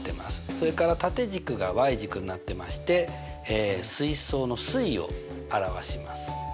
それから縦軸が軸になってまして水槽の水位を表します。